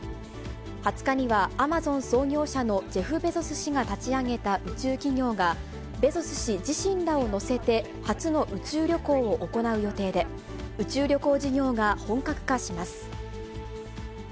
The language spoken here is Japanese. ２０日には、アマゾン創業者のジェフ・ベゾス氏が立ち上げた宇宙企業が、ベゾス氏自身らを乗せて、初の宇宙旅行を行う予定で、宇宙旅行事業が本格化します。